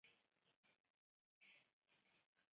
新的站台序号从原先的由西向东改为由东向西。